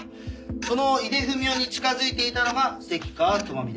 この井出文雄に近づいていたのが関川朋美です。